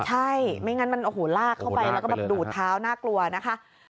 ใช่ไม่งั้นมันโอ้โหลากเข้าไปแล้วก็แบบดูดเท้าน่ากลัวนะคะ